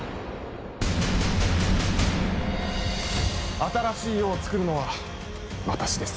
新しい世をつくるのは私です。